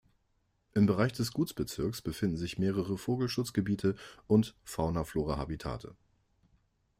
Im Bereich des Gutsbezirks befinden sich mehrere Vogelschutzgebiete und Fauna-Flora-Habitate.